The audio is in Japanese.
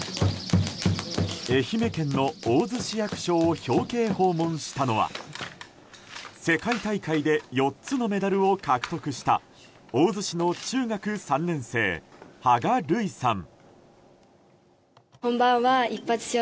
愛媛県の大洲市役所を表敬訪問したのは世界大会で４つのメダルを獲得した大洲市の中学３年生芳我琉衣さん。